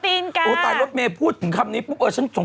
รอเมพ่อมาแล้วถึงคำนี้ผมรู้สึกผิดเลย